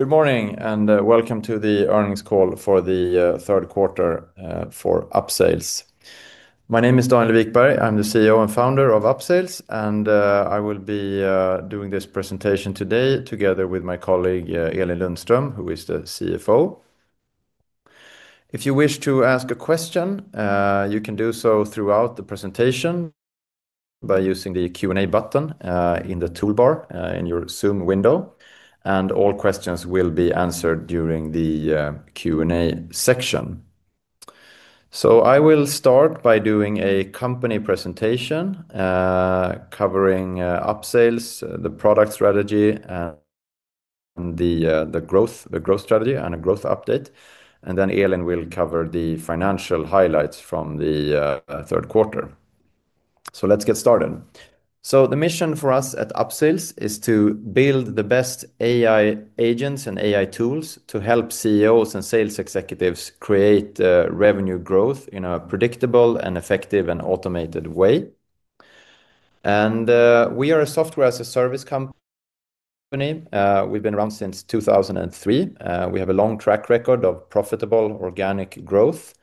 Good morning and welcome to the earnings call for the third quarter for Upsales. My name is Daniel Wikberg. I'm the CEO and founder of Upsales, and I will be doing this presentation today together with my colleague Elin Lundstrom, who is the CFO. If you wish to ask a question, you can do so throughout the presentation by using the Q&A button in the toolbar in your Zoom window, and all questions will be answered during the Q&A section. I will start by doing a company presentation covering Upsales, the product strategy, the growth strategy, and a growth update. Elin will cover the financial highlights from the third quarter. Let's get started. The mission for us at Upsales is to build the best AI agents and AI tools to help CEOs and Sales Executives create revenue growth in a predictable, effective, and automated way. We are a software-as-a-service company. We've been around since 2003. We have a long track record of profitable organic growth.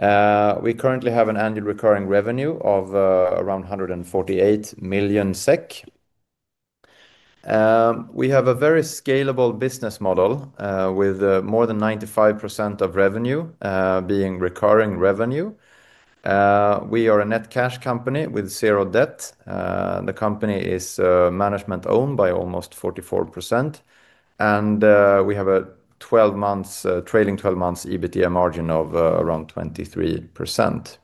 We currently have an annual recurring revenue of around 148 million SEK. We have a very scalable business model with more than 95% of revenue being recurring revenue. We are a net cash company with zero debt. The company is management-owned by almost 44%, and we have a trailing 12 months EBITDA margin of around 23%.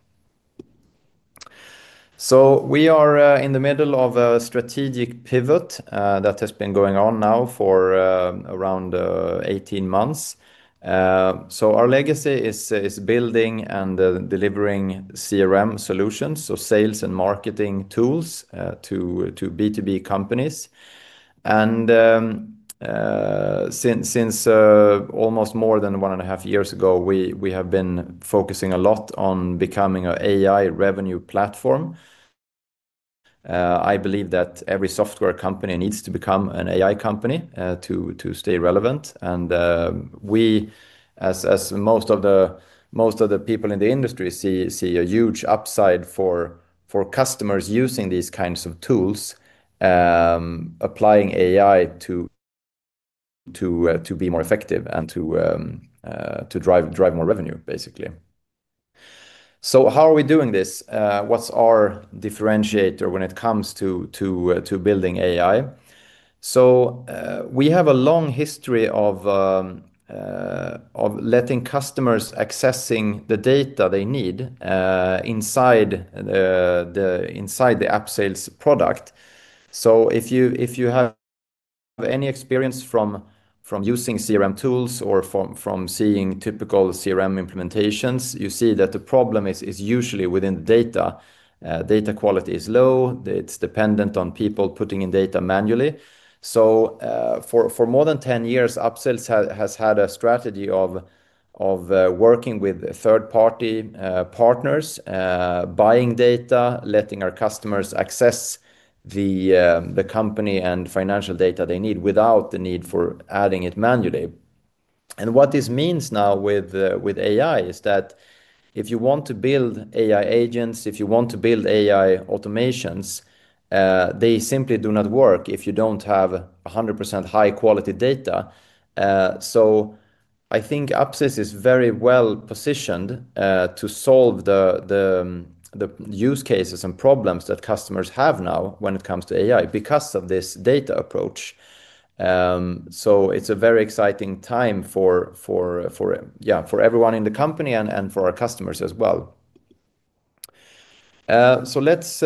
We are in the middle of a strategic pivot that has been going on now for around 18 months. Our legacy is building and delivering CRM solutions, so sales and marketing tools to B2B companies. Since more than one and a half years ago, we have been focusing a lot on becoming an AI revenue platform. I believe that every software company needs to become an AI company to stay relevant. We, as most of the people in the industry, see a huge upside for customers using these kinds of tools, applying AI to be more effective and to drive more revenue, basically. How are we doing this? What's our differentiator when it comes to building AI? We have a long history of letting customers access the data they need inside the Upsales product. If you have any experience from using CRM tools or from seeing typical CRM implementations, you see that the problem is usually within the data. Data quality is low. It's dependent on people putting in data manually. For more than 10 years, Upsales has had a strategy of working with third-party partners, buying data, letting our customers access the company and financial data they need without the need for adding it manually. What this means now with AI is that if you want to build AI agents, if you want to build AI automations, they simply do not work if you don't have 100% high-quality data. I think Upsales is very well positioned to solve the use cases and problems that customers have now when it comes to AI because of this data approach. It's a very exciting time for everyone in the company and for our customers as well. Let's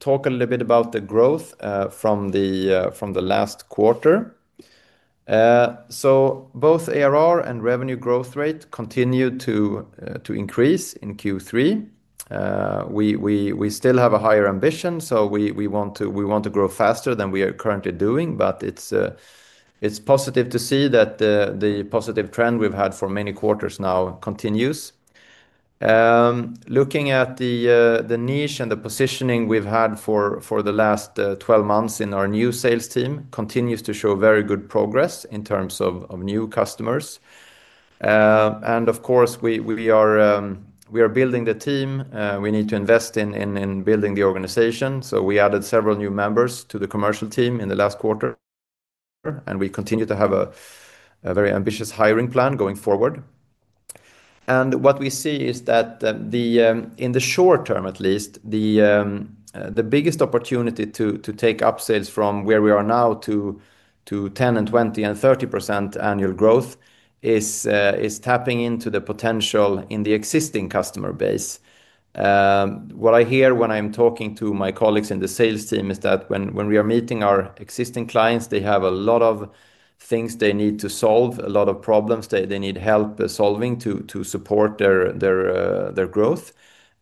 talk a little bit about the growth from the last quarter. Both ARR and revenue growth rate continue to increase in Q3. We still have a higher ambition, so we want to grow faster than we are currently doing, but it's positive to see that the positive trend we've had for many quarters now continues. Looking at the niche and the positioning we've had for the last 12 months in our new sales team continues to show very good progress in terms of new customers. We are building the team. We need to invest in building the organization. We added several new members to the commercial team in the last quarter, and we continue to have a very ambitious hiring plan going forward. What we see is that in the short term, at least, the biggest opportunity to take Upsales from where we are now to 10% and 20% and 30% annual growth is tapping into the potential in the existing customer base. What I hear when I'm talking to my colleagues in the sales team is that when we are meeting our existing clients, they have a lot of things they need to solve, a lot of problems they need help solving to support their growth.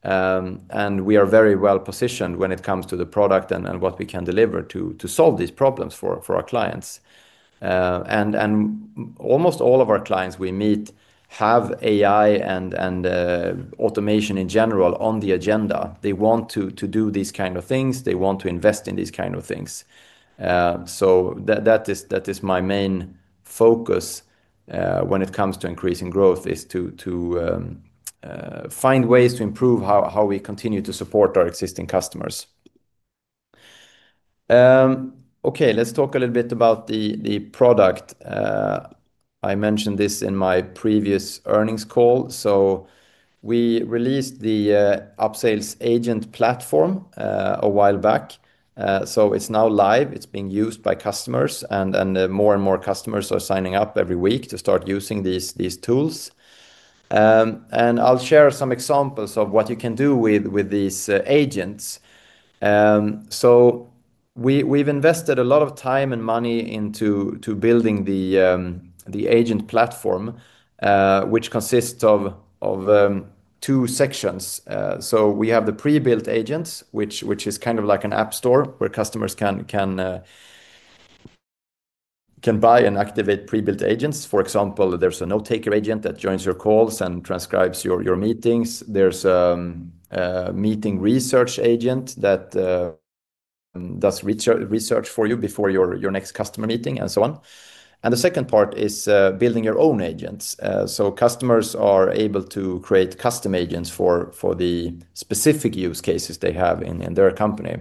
We are very well positioned when it comes to the product and what we can deliver to solve these problems for our clients. Almost all of our clients we meet have AI and automation in general on the agenda. They want to do these kinds of things. They want to invest in these kinds of things. That is my main focus when it comes to increasing growth, to find ways to improve how we continue to support our existing customers. Let's talk a little bit about the product. I mentioned this in my previous earnings call. We released the Upsales agent platform a while back. It's now live. It's being used by customers, and more and more customers are signing up every week to start using these tools. I'll share some examples of what you can do with these agents. We've invested a lot of time and money into building the agent platform, which consists of two sections. We have the pre-built agents, which is kind of like an app store where customers can buy and activate pre-built agents. For example, there's a note-taker agent that joins your calls and transcribes your meetings. There's a meeting research agent that does research for you before your next customer meeting and so on. The second part is building your own agents. Customers are able to create custom agents for the specific use cases they have in their company.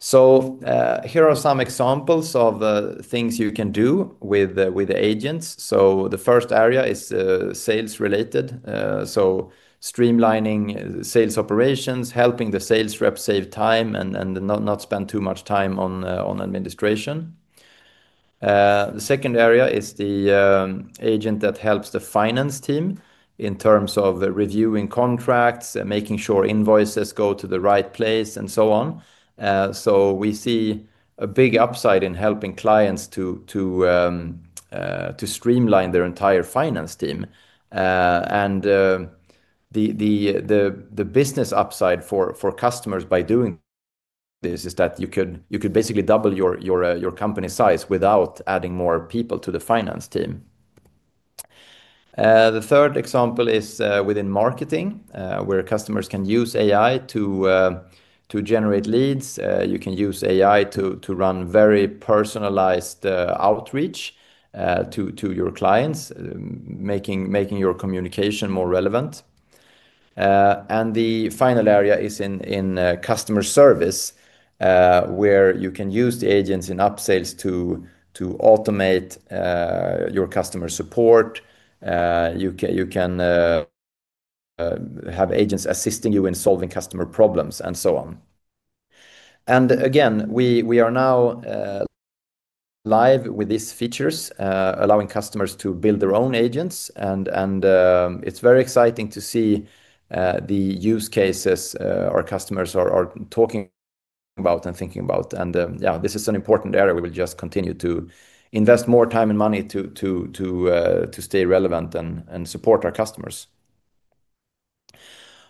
Here are some examples of things you can do with the agents. The first area is sales-related, streamlining sales operations, helping the sales rep save time and not spend too much time on administration. The second area is the agent that helps the finance team in terms of reviewing contracts, making sure invoices go to the right place, and so on. We see a big upside in helping clients to streamline their entire finance team. The business upside for customers by doing this is that you could basically double your company size without adding more people to the finance team. The third example is within marketing, where customers can use AI to generate leads. You can use AI to run very personalized outreach to your clients, making your communication more relevant. The final area is in customer service, where you can use the agents in Upsales to automate your customer support. You can have agents assisting you in solving customer problems and so on. We are now live with these features, allowing customers to build their own agents. It's very exciting to see the use cases our customers are talking about and thinking about. This is an important area. We will just continue to invest more time and money to stay relevant and support our customers.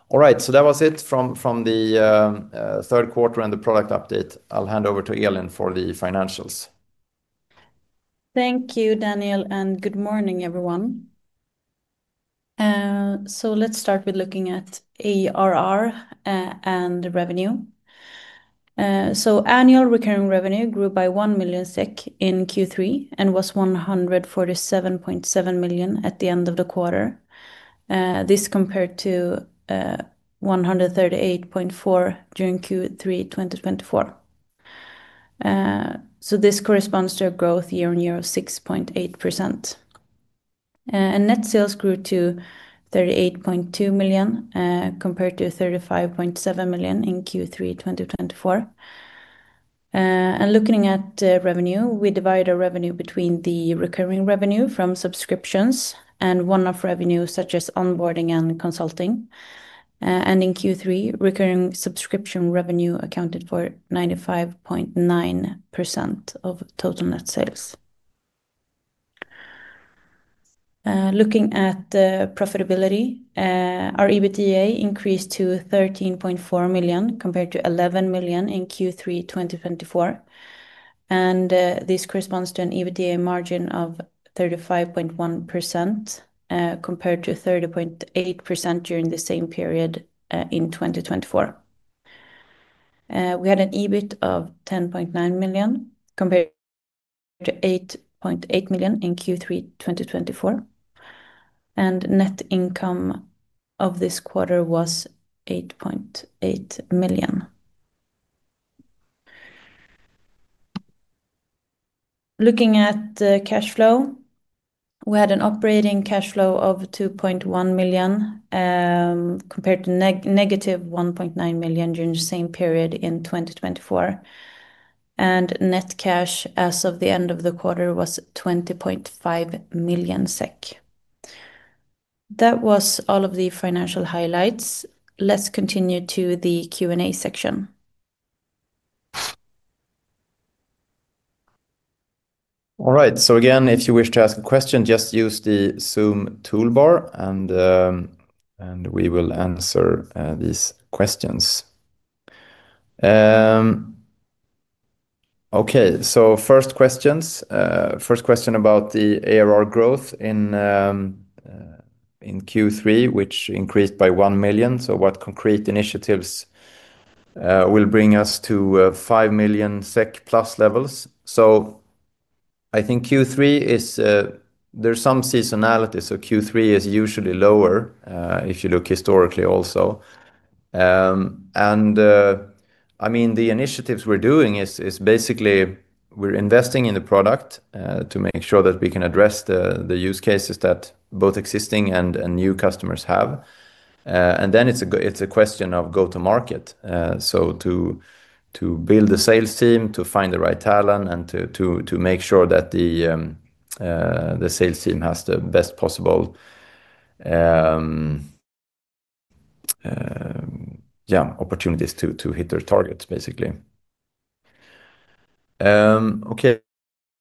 All right, that was it from the third quarter and the product update. I'll hand over to Elin for the financials. Thank you, Daniel, and good morning, everyone. Let's start with looking at ARR and revenue. Annual recurring revenue grew by 1 million SEK in Q3 and was 147.7 million at the end of the quarter. This compared to 138.4 million during Q3 2024. This corresponds to a growth year-on-year of 6.8%. Net sales grew to 38.2 million compared to 35.7 million in Q3 2024. Looking at revenue, we divide our revenue between the recurring revenue from subscriptions and one-off revenue such as onboarding and consulting. In Q3, recurring subscription revenue accounted for 95.9% of total net sales. Looking at profitability, our EBITDA increased to 13.4 million compared to 11 million in Q3 2024. This corresponds to an EBITDA margin of 35.1% compared to 30.8% during the same period in 2024. We had an EBIT of 10.9 million compared to 8.8 million in Q3 2024. Net income of this quarter was 8.8 million. Looking at cash flow, we had an operating cash flow of 2.1 million compared to negative 1.9 million during the same period in 2024. Net cash as of the end of the quarter was 20.5 million SEK. That was all of the financial highlights. Let's continue to the Q&A section. All right. If you wish to ask a question, just use the Zoom toolbar and we will answer these questions. First question about the ARR growth in Q3, which increased by 1 million. What concrete initiatives will bring us to 5 million SEK plus levels? Q3 has some seasonality, so Q3 is usually lower if you look historically also. The initiatives we're doing are basically we're investing in the product to make sure that we can address the use cases that both existing and new customers have. Then it's a question of go-to-market. To build the sales team, to find the right talent, and to make sure that the sales team has the best possible opportunities to hit their targets, basically.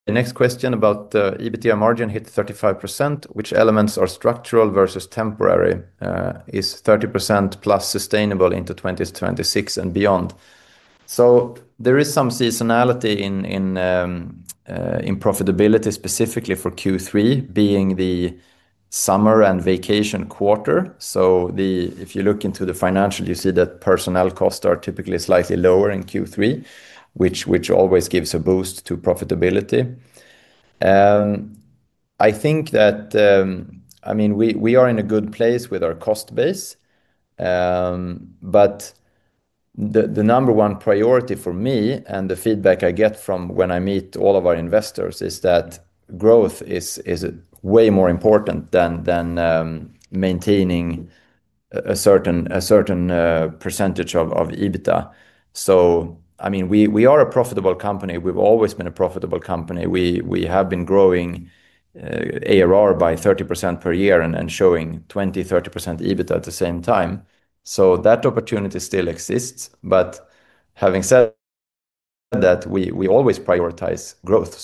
Next question about EBITDA margin hit 35%. Which elements are structural versus temporary? Is 30% plus sustainable into 2026 and beyond? There is some seasonality in profitability, specifically for Q3, being the summer and vacation quarter. If you look into the financials, you see that personnel costs are typically slightly lower in Q3, which always gives a boost to profitability. We are in a good place with our cost base, but the number one priority for me and the feedback I get from when I meet all of our investors is that growth is way more important than maintaining a certain percentage of EBITDA. We are a profitable company. We've always been a profitable company. We have been growing ARR by 30% per year and showing 20%-30% EBITDA at the same time. That opportunity still exists. Having said that, we always prioritize growth.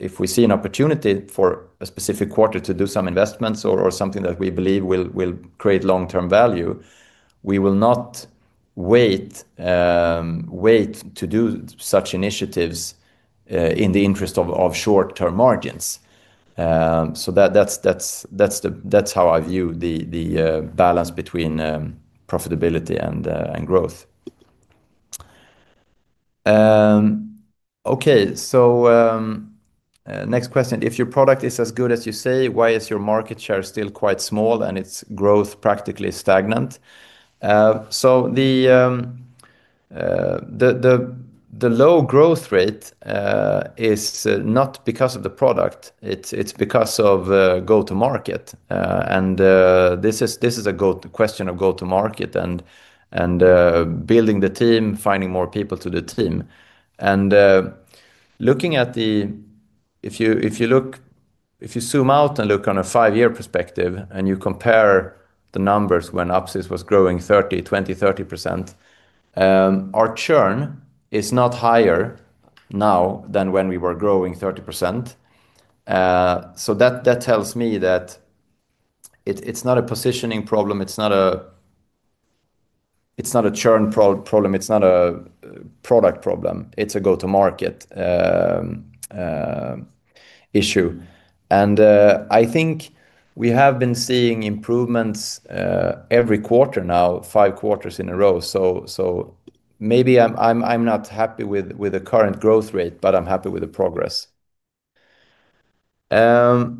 If we see an opportunity for a specific quarter to do some investments or something that we believe will create long-term value, we will not wait to do such initiatives in the interest of short-term margins. That's how I view the balance between profitability and growth. Next question. If your product is as good as you say, why is your market share still quite small and its growth practically stagnant? The low growth rate is not because of the product. It's because of go-to-market. This is a question of go-to-market and building the team, finding more people to the team. If you zoom out and look on a five-year perspective and you compare the numbers when Upsales was growing 20%-30%, our churn is not higher now than when we were growing 30%. That tells me that it's not a positioning problem. It's not a churn problem. It's not a product problem. It's a go-to-market issue. I think we have been seeing improvements every quarter now, five quarters in a row. Maybe I'm not happy with the current growth rate, but I'm happy with the progress. We have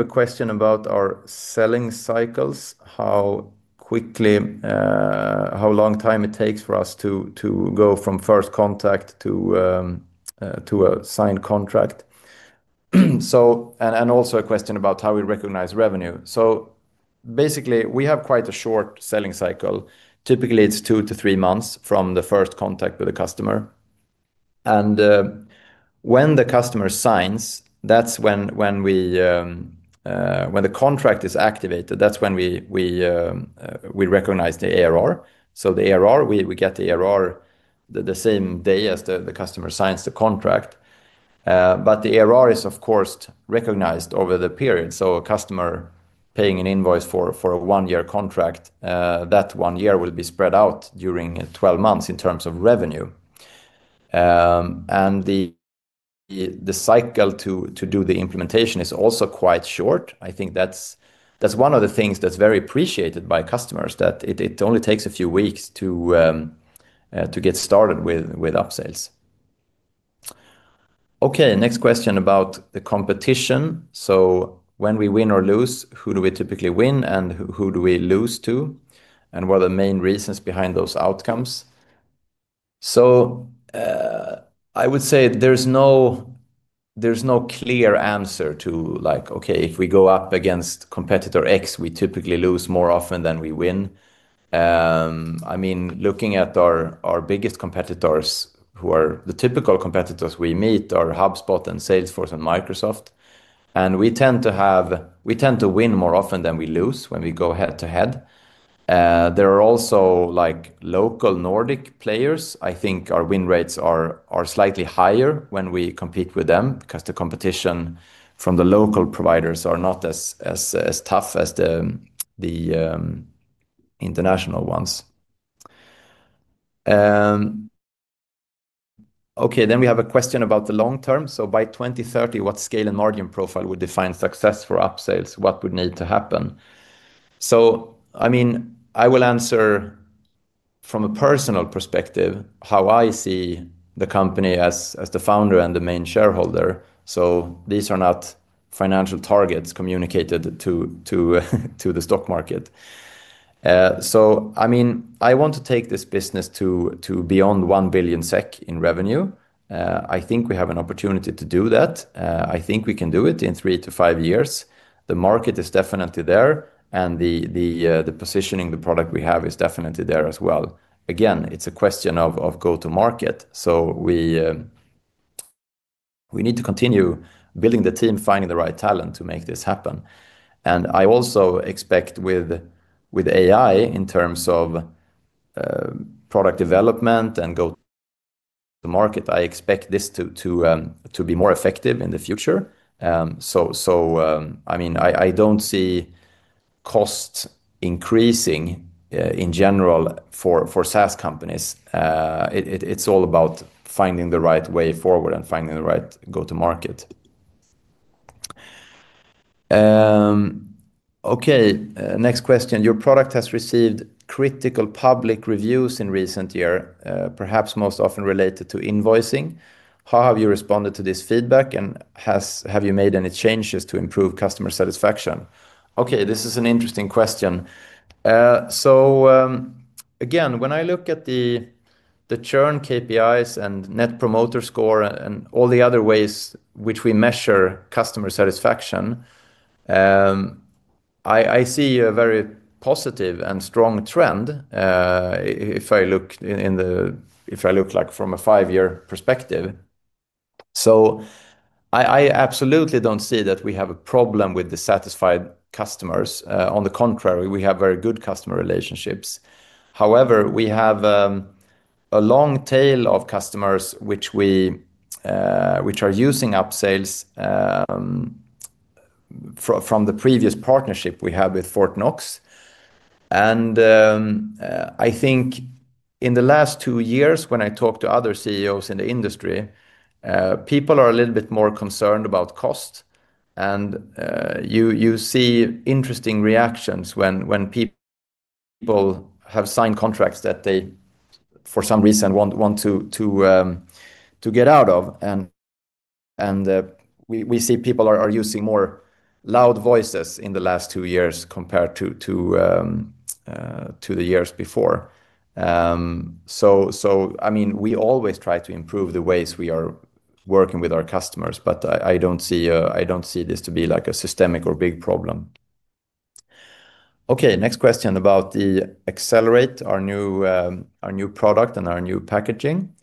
a question about our selling cycles, how quickly, how long it takes for us to go from first contact to a signed contract, and also a question about how we recognize revenue. Basically, we have quite a short selling cycle. Typically, it's two to three months from the first contact with the customer. When the customer signs, that's when the contract is activated. That's when we recognize the ARR. We get the ARR the same day as the customer signs the contract, but the ARR is, of course, recognized over the period. A customer paying an invoice for a one-year contract, that one year will be spread out during 12 months in terms of revenue. The cycle to do the implementation is also quite short. I think that's one of the things that's very appreciated by customers, that it only takes a few weeks to get started with Upsales. Next question about the competition. When we win or lose, who do we typically win and who do we lose to, and what are the main reasons behind those outcomes? I would say there's no clear answer to, like, if we go up against competitor X, we typically lose more often than we win. Looking at our biggest competitors, the typical competitors we meet are HubSpot, Salesforce, and Microsoft. We tend to win more often than we lose when we go head-to-head. There are also local Nordic players. I think our win rates are slightly higher when we compete with them because the competition from the local providers is not as tough as the international ones. We have a question about the long term. By 2030, what scale and margin profile would define success for Upsales? What would need to happen? I will answer from a personal perspective, how I see the company as the founder and the main shareholder. These are not financial targets communicated to the stock market. I want to take this business to beyond 1 billion SEK in revenue. I think we have an opportunity to do that. I think we can do it in three to five years. The market is definitely there, and the positioning the product we have is definitely there as well. It's a question of go-to-market. We need to continue building the team, finding the right talent to make this happen. I also expect with AI in terms of product development and go-to-market, I expect this to be more effective in the future. I don't see costs increasing in general for SaaS companies. It's all about finding the right way forward and finding the right go-to-market. Next question. Your product has received critical public reviews in recent years, perhaps most often related to invoicing. How have you responded to this feedback, and have you made any changes to improve customer satisfaction? This is an interesting question. When I look at the churn KPIs and net promoter score and all the other ways which we measure customer satisfaction, I see a very positive and strong trend if I look from a five-year perspective. I absolutely don't see that we have a problem with dissatisfied customers. On the contrary, we have very good customer relationships. However, we have a long tail of customers which are using Upsales from the previous partnership we had with Fort Knox. I think in the last two years, when I talk to other CEOs in the industry, people are a little bit more concerned about costs. You see interesting reactions when people have signed contracts that they, for some reason, want to get out of. We see people are using more loud voices in the last two years compared to the years before. We always try to improve the ways we are working with our customers, but I don't see this to be like a systemic or big problem. Next question about the Accelerate, our new product and our new packaging.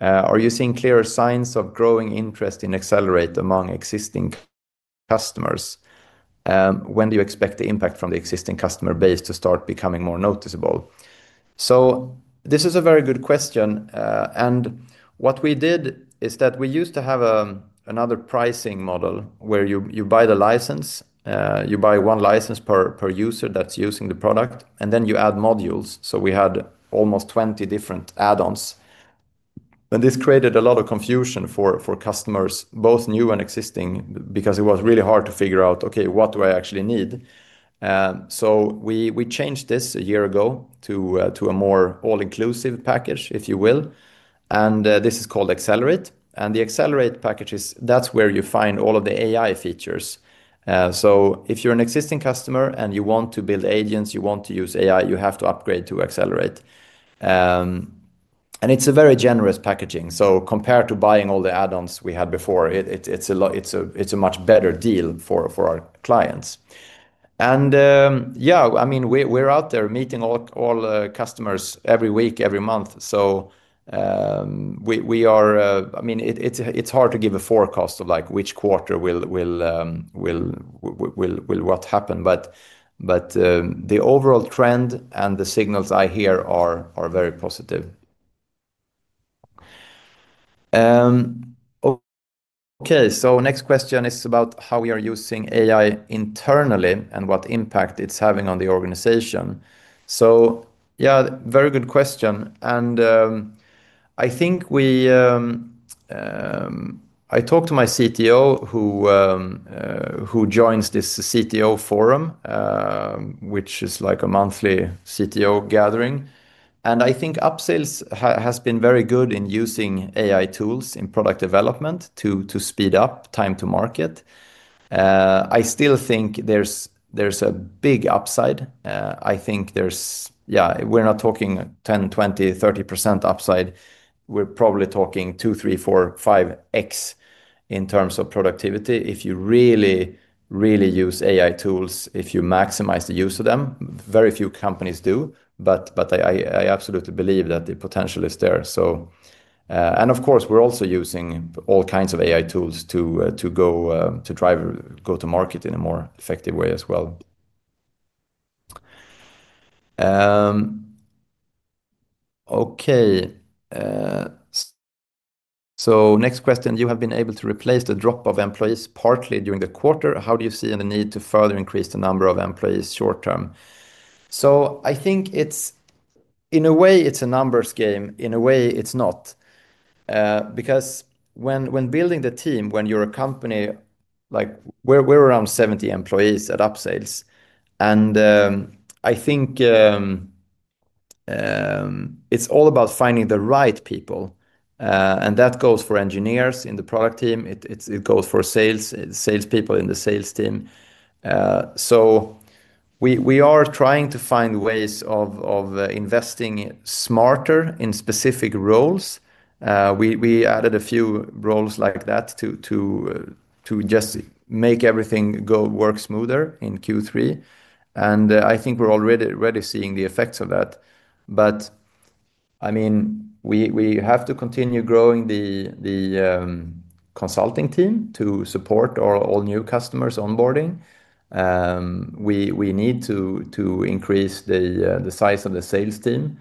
Are you seeing clear signs of growing interest in Accelerate among existing customers? When do you expect the impact from the existing customer base to start becoming more noticeable? This is a very good question. What we did is that we used to have another pricing model where you buy the license. You buy one license per user that's using the product, and then you add modules. We had almost 20 different add-ons. This created a lot of confusion for customers, both new and existing, because it was really hard to figure out, okay, what do I actually need? We changed this a year ago to a more all-inclusive package, if you will. This is called Accelerate. The Accelerate package is where you find all of the AI features. If you're an existing customer and you want to build agents or use AI, you have to upgrade to Accelerate. It is a very generous packaging. Compared to buying all the add-ons we had before, it is a much better deal for our clients. We are out there meeting all customers every week, every month. It is hard to give a forecast of which quarter what will happen, but the overall trend and the signals I hear are very positive. The next question is about how we are using AI internally and what impact it is having on the organization. That is a very good question. I talked to my CTO who joins this CTO forum, which is a monthly CTO gathering. I think Upsales has been very good in using AI tools in product development to speed up time to market. I still think there is a big upside. We are not talking 10%, 20%, 30% upside. We are probably talking two, three, four, five X in terms of productivity if you really use AI tools, if you maximize the use of them. Very few companies do, but I absolutely believe that the potential is there. We are also using all kinds of AI tools to drive go-to-market in a more effective way as well. The next question: you have been able to replace the drop of employees partly during the quarter. How do you see the need to further increase the number of employees short term? I think it is, in a way, a numbers game. In a way, it is not. When building the team, when you are a company like we are, around 70 employees at Upsales, I think it is all about finding the right people. That goes for engineers in the product team and for salespeople in the sales team. We are trying to find ways of investing smarter in specific roles. We added a few roles like that to make everything work smoother in Q3, and I think we are already seeing the effects of that. We have to continue growing the consulting team to support all new customers onboarding. We need to increase the size of the sales team.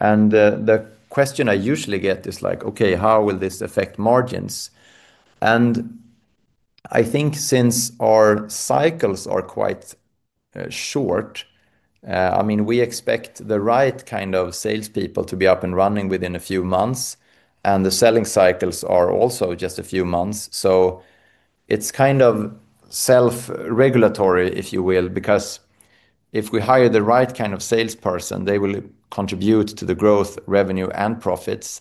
The question I usually get is how will this affect margins. Since our cycles are quite short, we expect the right kind of salespeople to be up and running within a few months, and the selling cycles are also just a few months. It's kind of self-regulatory, if you will, because if we hire the right kind of salesperson, they will contribute to the growth, revenue, and profits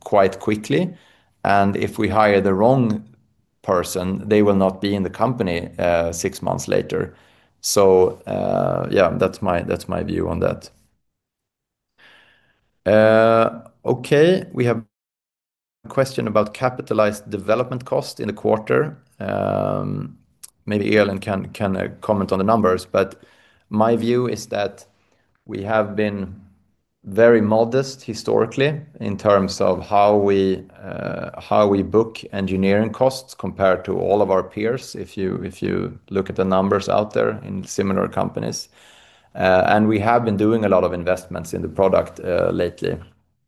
quite quickly. If we hire the wrong person, they will not be in the company six months later. That's my view on that. Okay, we have a question about capitalized development cost in the quarter. Maybe Elin can comment on the numbers, but my view is that we have been very modest historically in terms of how we book engineering costs compared to all of our peers, if you look at the numbers out there in similar companies. We have been doing a lot of investments in the product lately.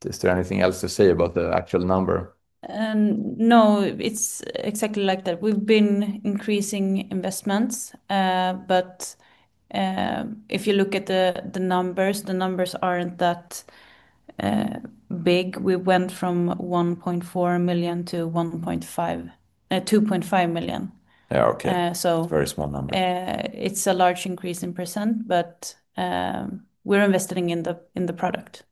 Is there anything else to say about the actual number? No, it's exactly like that. We've been increasing investments, but if you look at the numbers, the numbers aren't that big. We went from 1.4 million-2.5 million. Yeah, okay. Very small number. It's a large increase in percentage, but we're investing in the product.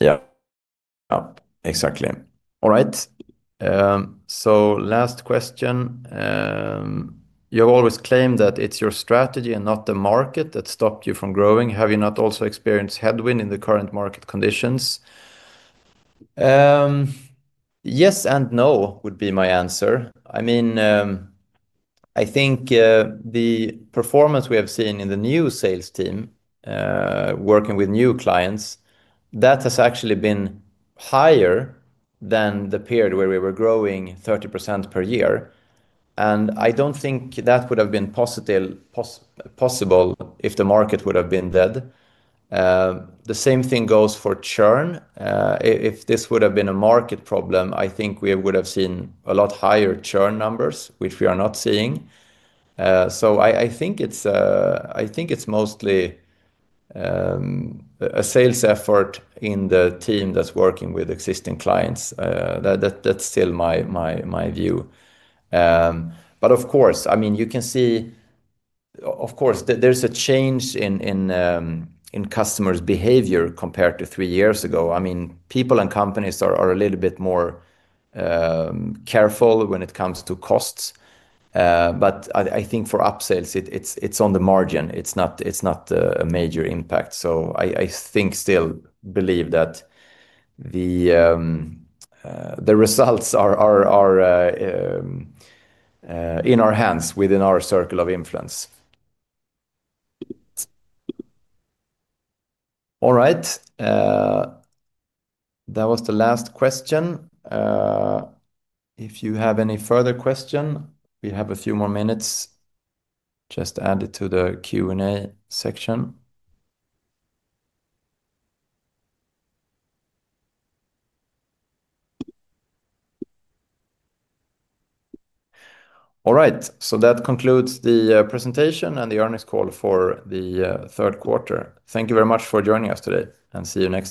Yeah, exactly. All right, so last question. You have always claimed that it's your strategy and not the market that stopped you from growing. Have you not also experienced headwind in the current market conditions? Yes and no would be my answer. I mean, I think the performance we have seen in the new sales team working with new clients, that has actually been higher than the period where we were growing 30% per year. I don't think that would have been possible if the market would have been dead. The same thing goes for churn. If this would have been a market problem, I think we would have seen a lot higher churn numbers, which we are not seeing. I think it's mostly a sales effort in the team that's working with existing clients. That's still my view. Of course, you can see, of course, there's a change in customers' behavior compared to three years ago. People and companies are a little bit more careful when it comes to costs. I think for Upsales, it's on the margin. It's not a major impact. I still believe that the results are in our hands within our circle of influence. All right, that was the last question. If you have any further questions, we have a few more minutes. Just add it to the Q&A section. All right, that concludes the presentation and the earnings call for the third quarter. Thank you very much for joining us today, and see you next time.